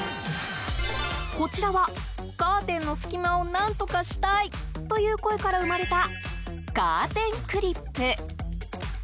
こちらは、カーテンの隙間を何とかしたいという声から生まれたカーテンクリップ。